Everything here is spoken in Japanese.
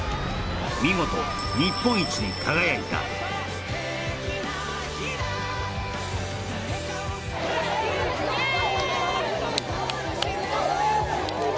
見事日本一に輝いたイエーイ！